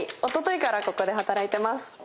おとといからここで働いてます。